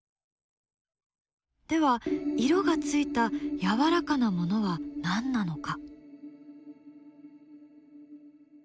では色がついたやわらかなものは何なのか？